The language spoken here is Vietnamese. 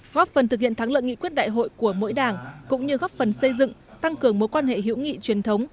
góp phần thực hiện thắng lợi nghị quyết đại hội của mỗi đảng cũng như góp phần xây dựng tăng cường mối quan hệ hữu nghị truyền thống